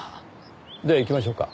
では行きましょうか。